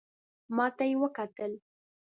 ماته یې وکتل .